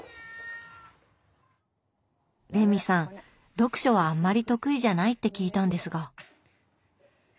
読書はあんまり得意じゃないって聞いたんですが。